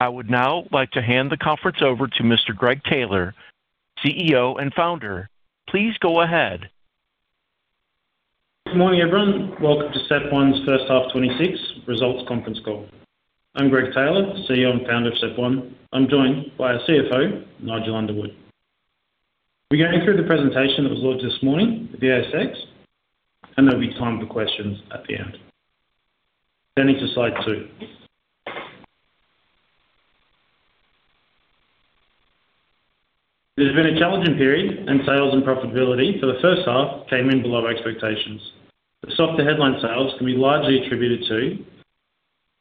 I would now like to hand the conference over to Mr. Greg Taylor, CEO and Founder. Please go ahead. Good morning, everyone. Welcome to Step One's first half 2026 results conference call. I'm Greg Taylor, CEO and Founder of Step One. I'm joined by our CFO, Nigel Underwood. We're going through the presentation that was loaded this morning at the ASX, and there'll be time for questions at the end. Turning to slide 2. There's been a challenging period, and sales and profitability for the first half came in below expectations. The softer headline sales can be largely attributed to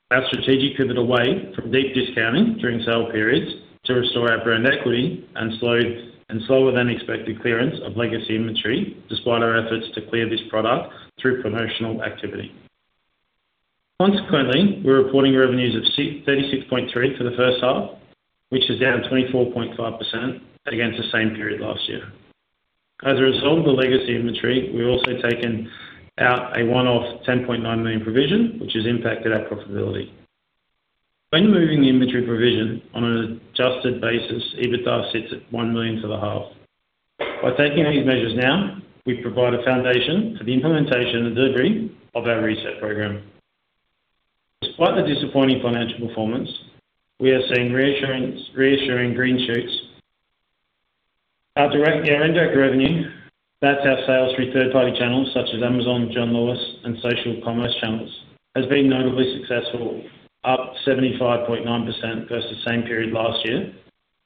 our strategic pivot away from deep discounting during sale periods to restore our brand equity and slower-than-expected clearance of legacy inventory, despite our efforts to clear this product through promotional activity. Consequently, we're reporting revenues of 36.3 million for the first half, which is down 24.5% against the same period last year. As a result of the legacy inventory, we've also taken out a one-off 10.9 million provision, which has impacted our profitability. When removing the inventory provision on an adjusted basis, EBITDA sits at 1 million for the half. By taking these measures now, we provide a foundation for the implementation and delivery of our reset program. Despite the disappointing financial performance, we are seeing reassuring green shoots. Our indirect revenue, that's our sales through third-party channels such as Amazon, John Lewis, and social commerce channels, has been notably successful, up 75.9% versus the same period last year,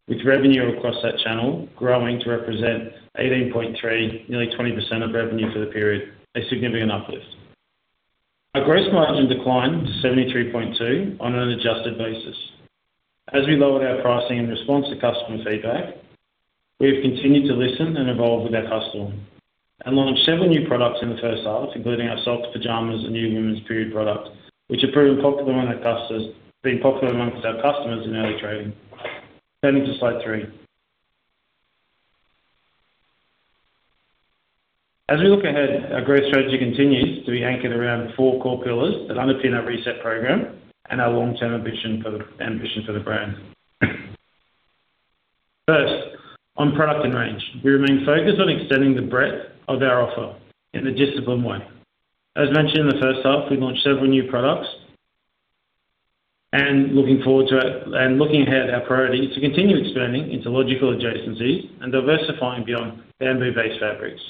with revenue across that channel growing to represent 18.3, nearly 20% of revenue for the period, a significant uplift. Our gross margin declined to 73.2 on an adjusted basis. As we lowered our pricing in response to customer feedback, we have continued to listen and evolve with our customer and launched several new products in the first half, including our socks, pyjamas, and new women's period products, which have proven popular among our customers in early trading. Turning to slide 3. As we look ahead, our growth strategy continues to be anchored around the four core pillars that underpin our reset program and our long-term ambition for the brand. First, on product and range, we remain focused on extending the breadth of our offer in a disciplined way. As mentioned in the first half, we've launched several new products and looking forward to it. Looking ahead, our priority is to continue expanding into logical adjacencies and diversifying beyond bamboo-based fabrics.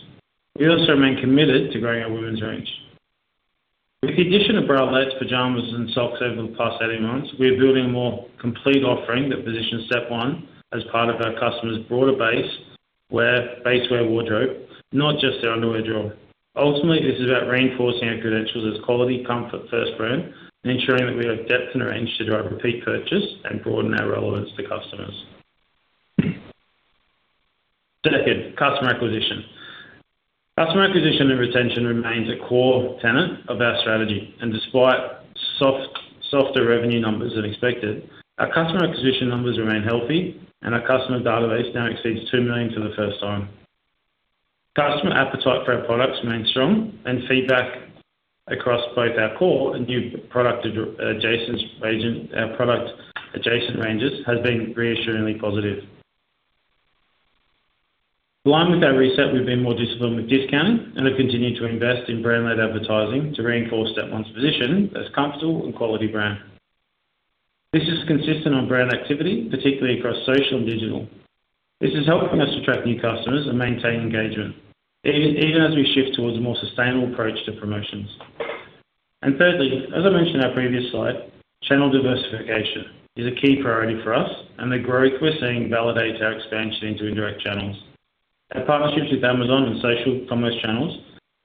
We also remain committed to growing our women's range. With the addition of bralettes, pyjamas, and socks over the past 18 months, we are building a more complete offering that positions Step One as part of our customers' broader basewear wardrobe, not just their underwear drawer. Ultimately, this is about reinforcing our credentials as a quality comfort-first brand and ensuring that we have depth and range to drive repeat purchase and broaden our relevance to customers. Second, customer acquisition. Customer acquisition and retention remains a core tenet of our strategy, and despite softer revenue numbers than expected, our customer acquisition numbers remain healthy, and our customer database now exceeds 2 million for the first time. Customer appetite for our products remains strong, and feedback across both our core and new product adjacent ranges has been reassuringly positive. Along with our reset, we've been more disciplined with discounting and have continued to invest in brand-led advertising to reinforce Step One's position as a comfortable and quality brand. This is consistent on brand activity, particularly across social and digital. This is helping us attract new customers and maintain engagement, even as we shift towards a more sustainable approach to promotions. And thirdly, as I mentioned in our previous slide, channel diversification is a key priority for us, and the growth we're seeing validates our expansion into indirect channels. Our partnerships with Amazon and social commerce channels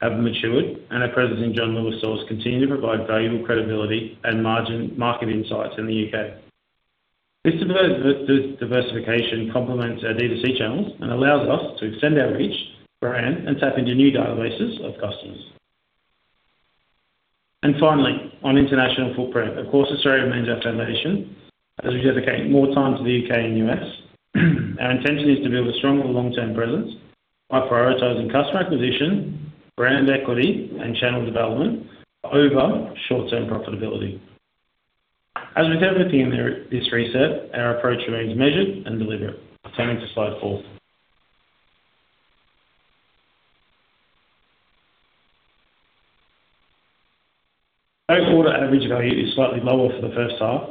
have matured, and our presence in John Lewis stores continue to provide valuable credibility and market insights in the U.K. This diversification complements our D2C channels and allows us to extend our reach, brand, and tap into new databases of customers. And finally, on international footprint, of course, Australia remains our foundation as we dedicate more time to the U.K. and U.S. Our intention is to build a stronger long-term presence by prioritizing customer acquisition, brand equity, and channel development over short-term profitability. As with everything in this reset, our approach remains measured and deliberate. Turning to slide 4. Our order average value is slightly lower for the first half.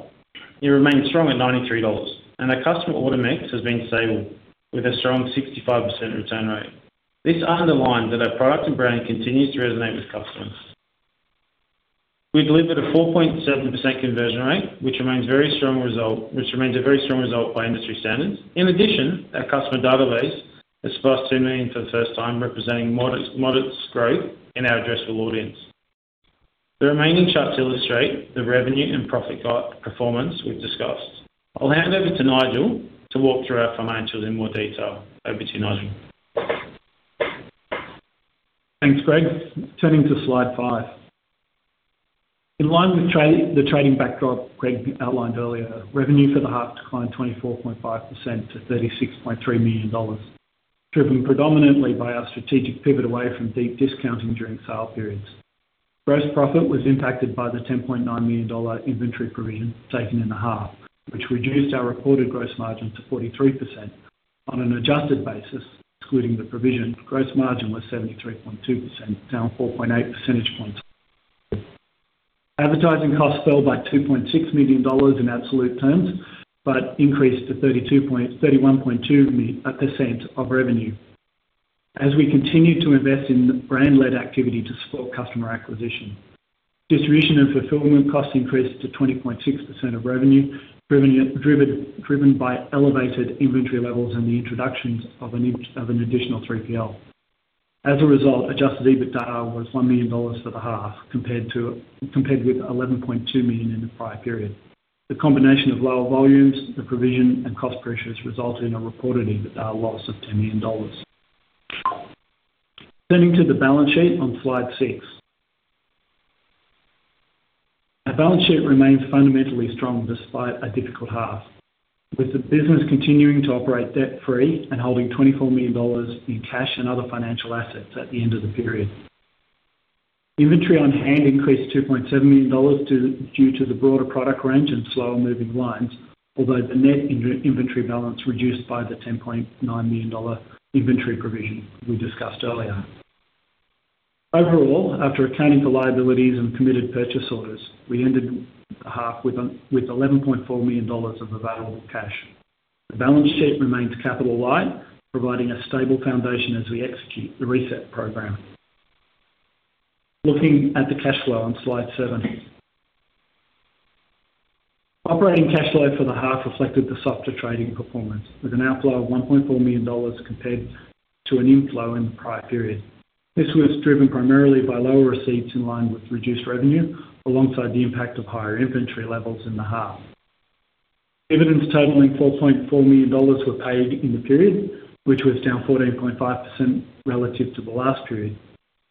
It remains strong at 93 dollars, and our customer order mix has been stable, with a strong 65% return rate. This underlines that our product and brand continues to resonate with customers. We delivered a 4.7% conversion rate, which remains a very strong result by industry standards. In addition, our customer database has surpassed 2 million for the first time, representing modest growth in our addressable audience. The remaining charts illustrate the revenue and profit guide performance we've discussed. I'll hand over to Nigel to walk through our financials in more detail. Over to you, Nigel. Thanks, Greg. Turning to slide 5. In line with the trading backdrop Greg outlined earlier, revenue for the half declined 24.5% to 36.3 million dollars, driven predominantly by our strategic pivot away from deep discounting during sales periods. Gross profit was impacted by the 10.9 million dollar inventory provision taken in the half, which reduced our reported gross margin to 43%. On an adjusted basis, excluding the provision, gross margin was 73.2%, down 4.8 percentage points. Advertising costs fell by 2.6 million dollars in absolute terms, but increased to 31.2% of revenue, as we continued to invest in brand-led activity to support customer acquisition. Distribution and fulfilment costs increased to 20.6% of revenue, driven by elevated inventory levels and the introduction of an additional 3PL. As a result, adjusted EBITDA was 1 million dollars for the half, compared with 11.2 million in the prior period. The combination of lower volumes, the provision, and cost pressures resulted in a reported EBITDA loss of 10 million dollars. Turning to the balance sheet on slide 6. Our balance sheet remains fundamentally strong despite a difficult half, with the business continuing to operate debt-free and holding 24 million dollars in cash and other financial assets at the end of the period. Inventory on hand increased by 2.7 million dollars due to the broader product range and slower moving lines, although the net inventory balance reduced by the 10.9 million dollar inventory provision we discussed earlier. Overall, after accounting for liabilities and committed purchase orders, we ended the half with 11.4 million dollars of available cash. The balance sheet remains capital light, providing a stable foundation as we execute the reset program. Looking at the cash flow on slide 7. Operating cash flow for the half reflected the softer trading performance, with an outflow of 1.4 million dollars, compared to an inflow in the prior period. This was driven primarily by lower receipts in line with reduced revenue, alongside the impact of higher inventory levels in the half. Dividends totaling 4.4 million dollars were paid in the period, which was down 14.5% relative to the last period.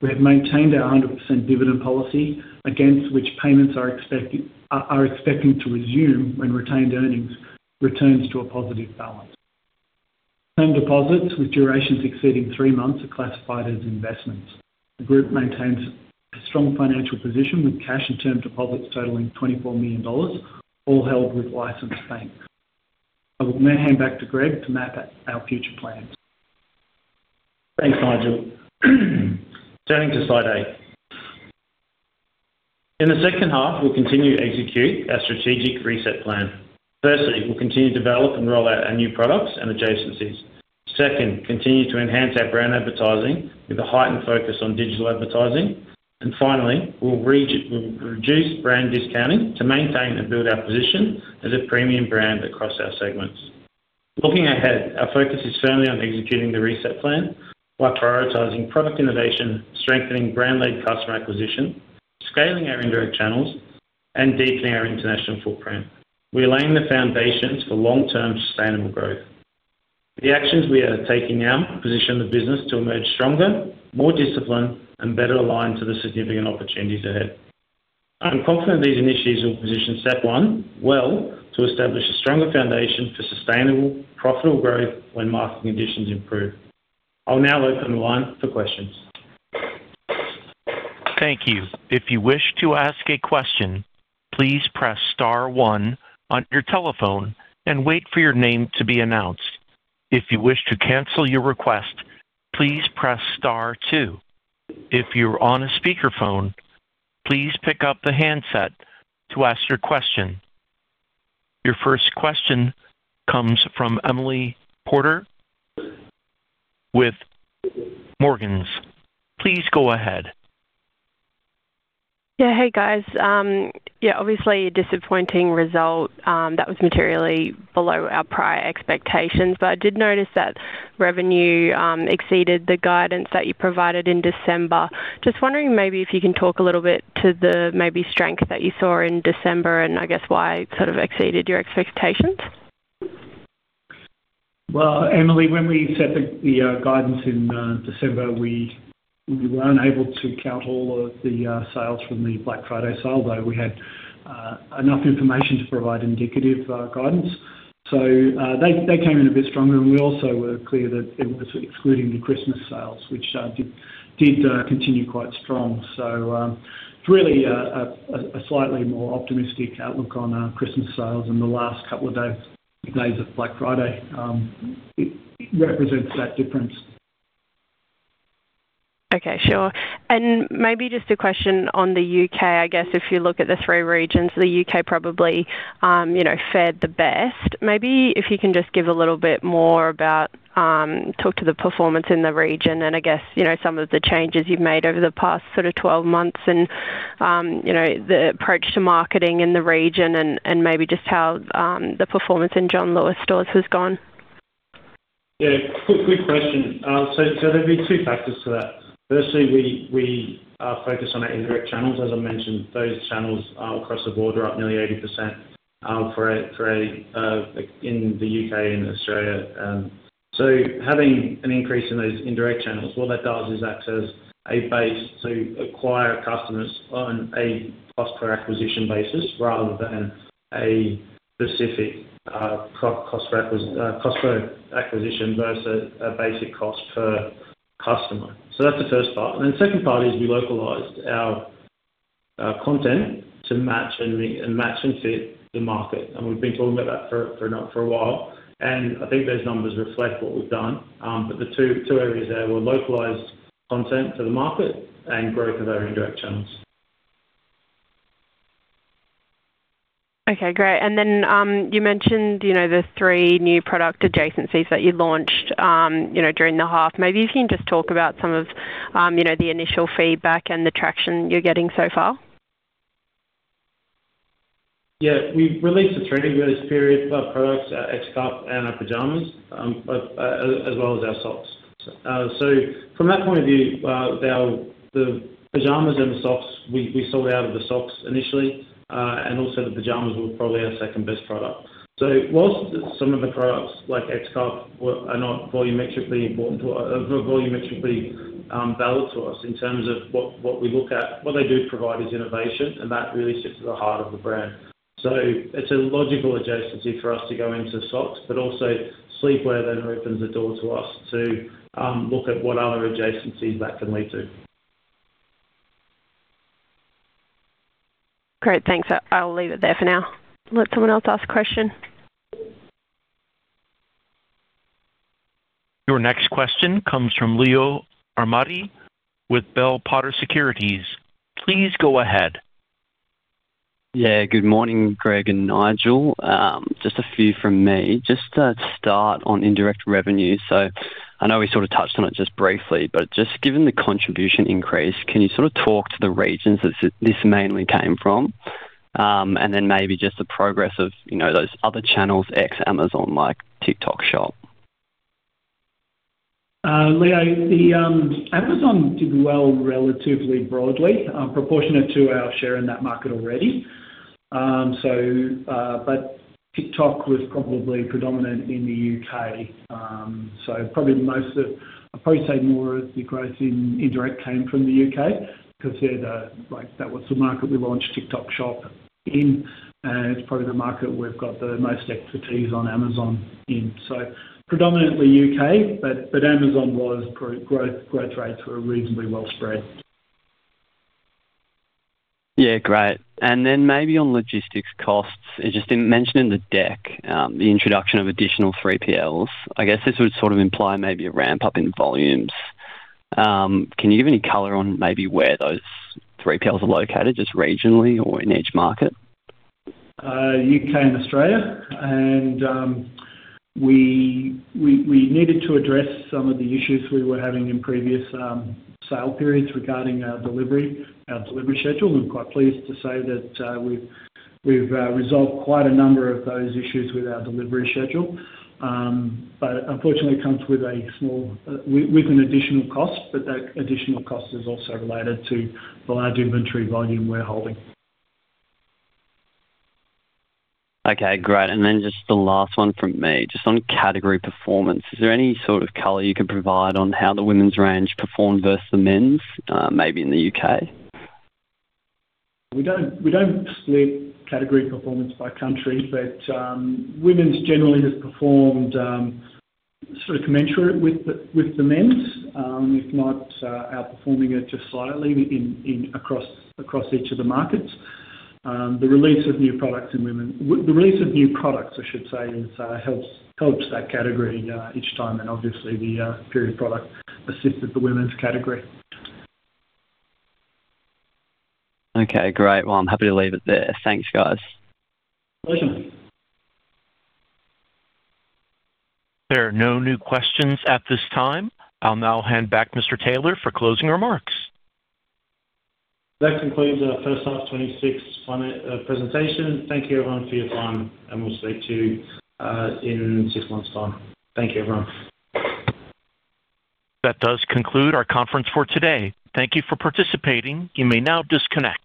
We have maintained our 100% dividend policy, against which payments are expected to resume when retained earnings returns to a positive balance. Term deposits with durations exceeding 3 months are classified as investments. The group maintains a strong financial position with cash and term deposits totaling 24 million dollars, all held with licensed banks. I will now hand back to Greg to map out our future plans. Thanks, Nigel. Turning to slide 8. In the second half, we'll continue to execute our strategic reset plan. Firstly, we'll continue to develop and roll out our new products and adjacencies. Second, continue to enhance our brand advertising with a heightened focus on digital advertising. And finally, we'll reduce brand discounting to maintain and build our position as a premium brand across our segments. Looking ahead, our focus is firmly on executing the reset plan while prioritizing product innovation, strengthening brand-led customer acquisition, scaling our indirect channels, and deepening our international footprint. We are laying the foundations for long-term sustainable growth. The actions we are taking now position the business to emerge stronger, more disciplined, and better aligned to the significant opportunities ahead. I'm confident these initiatives will position Step One well to establish a stronger foundation for sustainable, profitable growth when market conditions improve. I'll now open the line for questions. Thank you. If you wish to ask a question, please press star one on your telephone and wait for your name to be announced. If you wish to cancel your request, please press star two. If you're on a speakerphone, please pick up the handset to ask your question. Your first question comes from Emily Porter with Morgans. Please go ahead. Yeah. Hey, guys. Yeah, obviously a disappointing result that was materially below our prior expectations, but I did notice that revenue exceeded the guidance that you provided in December. Just wondering maybe if you can talk a little bit to the maybe strength that you saw in December, and I guess why it sort of exceeded your expectations? Well, Emily, when we set the guidance in December, we were unable to count all of the sales from the Black Friday sales, though we had enough information to provide indicative guidance. So, they came in a bit stronger, and we also were clear that it was excluding the Christmas sales, which did continue quite strong. So, it's really a slightly more optimistic outlook on Christmas sales in the last couple of days of Black Friday. It represents that difference. Okay, sure. Maybe just a question on the U.K.. I guess if you look at the three regions, the U.K. probably, you know, fared the best. Maybe if you can just give a little bit more about, talk to the performance in the region and I guess, you know, some of the changes you've made over the past sort of 12 months and, you know, the approach to marketing in the region and, and maybe just how, the performance in John Lewis stores has gone. Yeah, good, good question. So there'd be two factors to that. Firstly, we focus on our indirect channels. As I mentioned, those channels across the board are up nearly 80%, like in the U.K. and Australia. So having an increase in those indirect channels, what that does is acts as a base to acquire customers on a cost per acquisition basis, rather than a specific cost per acquisition versus a basic cost per customer. So that's the first part. And then the second part is we localized our-... content to match and rematch and fit the market. And we've been talking about that for a while, and I think those numbers reflect what we've done. But the two areas there were localized content to the market and growth of our indirect channels. Okay, great. And then, you mentioned, you know, the three new product adjacencies that you launched, you know, during the half. Maybe you can just talk about some of, you know, the initial feedback and the traction you're getting so far? Yeah. We've released the three various period products, X Cup and our pyjamas, but as well as our socks. So from that point of view, our the pyjamas and the socks, we sold out of the socks initially. And also the pyjamas were probably our second-best product. So whilst some of the products, like X Cup, were not volumetrically important to us, are volumetrically valid to us in terms of what we look at. What they do provide is innovation, and that really sits at the heart of the brand. So it's a logical adjacency for us to go into socks, but also sleepwear then opens the door to us to look at what other adjacencies that can lead to. Great, thanks. I'll leave it there for now. Let someone else ask a question. Your next question comes from Leo Armati with Bell Potter Securities. Please go ahead. Yeah. Good morning, Greg and Nigel. Just a few from me. Just to start on indirect revenue. So I know we sort of touched on it just briefly, but just given the contribution increase, can you sort of talk to the regions that this mainly came from? And then maybe just the progress of, you know, those other channels, ex-Amazon, like TikTok Shop. Leo, the Amazon did well, relatively broadly, proportionate to our share in that market already. So, but TikTok was probably predominant in the U.K.. So probably most of- I'd probably say more of the growth in indirect came from the U.K. because they're the-- like, that was the market we launched TikTok Shop in, and it's probably the market we've got the most expertise on Amazon in. So predominantly U.K., but, but Amazon was pretty growth, growth rates were reasonably well spread. Yeah, great. And then maybe on logistics costs, it just didn't mention in the deck the introduction of additional 3PLs. I guess this would sort of imply maybe a ramp-up in volumes. Can you give any color on maybe where those 3PLs are located, just regionally or in each market? U.K. and Australia, and we needed to address some of the issues we were having in previous sale periods regarding our delivery, our delivery schedule. I'm quite pleased to say that we've resolved quite a number of those issues with our delivery schedule. But unfortunately, it comes with a small additional cost, but that additional cost is also related to the large inventory volume we're holding. Okay, great. And then just the last one from me, just on category performance. Is there any sort of color you can provide on how the women's range performed versus the men's, maybe in the U.K.? We don't split category performance by country, but women's generally has performed sort of commensurate with the men's, if not outperforming it just slightly across each of the markets. The release of new products, I should say, helps that category each time, and obviously, the period product assisted the women's category. Okay, great. Well, I'm happy to leave it there. Thanks, guys. Pleasure. There are no new questions at this time. I'll now hand back to Mr. Taylor for closing remarks. That concludes our first half 2026 financial presentation. Thank you, everyone, for your time, and we'll speak to you in six months' time. Thank you, everyone. That does conclude our conference for today. Thank you for participating. You may now disconnect.